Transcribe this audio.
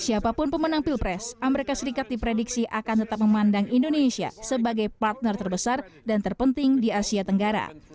siapapun pemenang pilpres amerika serikat diprediksi akan tetap memandang indonesia sebagai partner terbesar dan terpenting di asia tenggara